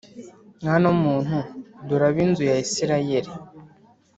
Mwana w umuntu dore ab inzu ya Isirayeli